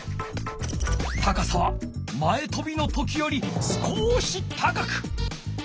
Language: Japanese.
高さは前とびの時より少し高く。